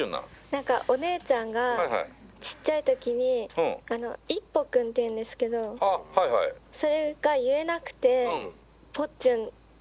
何かお姉ちゃんがちっちゃい時にイッポ君っていうんですけどそれが言えなくてぽっちゅん。